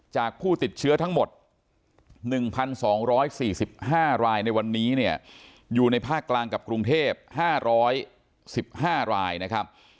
ผู้ติดเชื้อทั้งหมด๑๒๔๕รายในวันนี้เนี่ยอยู่ในภาคกลางกับกรุงเทพ๕๑๕รายนะครับ